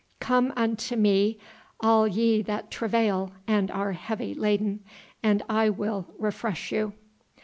"Come unto Me all ye that travail and are heavy laden and I will refresh you."